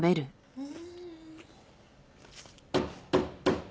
うん。